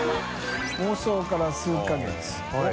放送から数か月」おっ。